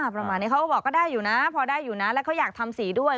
ประมาณนี้เขาก็บอกก็ได้อยู่นะพอได้อยู่นะแล้วเขาอยากทำสีด้วย